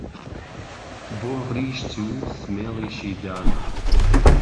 بۆ ڕیش جوو سمێڵیشی دانا